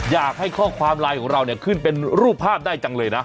อยากให้ข้อความไลน์ของเราเนี่ยขึ้นเป็นรูปภาพได้จังเลยนะ